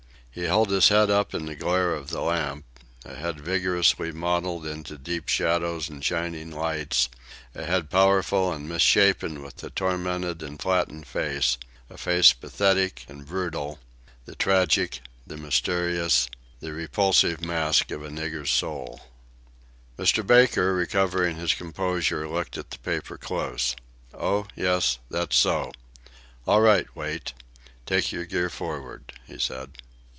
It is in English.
He held his head up in the glare of the lamp a head vigorously modelled into deep shadows and shining lights a head powerful and misshapen with a tormented and flattened face a face pathetic and brutal: the tragic, the mysterious, the repulsive mask of a nigger's soul. Mr. Baker, recovering his composure, looked at the paper close. "Oh, yes; that's so. All right, Wait. Take your gear forward," he said.